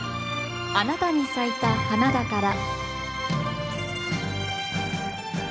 「あなたに咲いた花だから」。